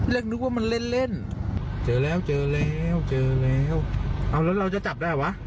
นึกว่ามันเล่นเล่นเจอแล้วเจอแล้วเจอแล้วเอาแล้วเราจะจับได้วะ